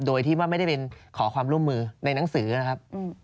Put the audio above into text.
โดยที่ว่าไม่ได้เป็นขอความร่วมมือในหนังสือนะครับ